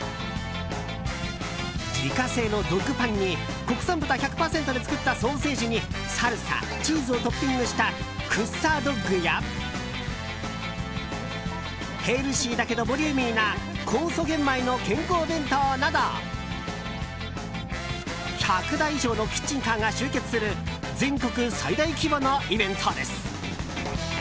自家製のドッグパンに国産豚１００％で作ったソーセージにサルサチーズをトッピングした福生ドッグやヘルシーだけどボリューミーな酵素玄米の健康弁当など１００台以上のキッチンカーが集結する全国最大規模のイベントです。